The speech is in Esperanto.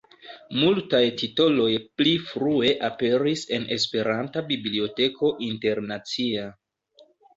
Multaj titoloj pli frue aperis en Esperanta Biblioteko Internacia.